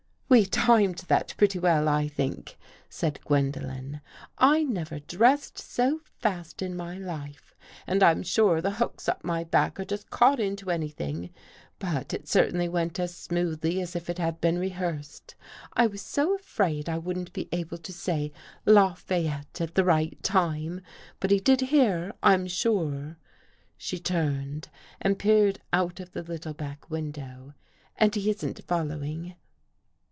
" We timed that pretty well, I think,'* said Gwen dolen. " I never dressed so fast In my life and I'm sure the hooks up my back are just caught Into any thing. But It certainly went as smoothly as If It had been rehearsed. I was so afraid I wouldn't be able to say Lafayette at the right time. But he did hear. I'm sure." She turned and peered out of the little back window. " And he isn't following."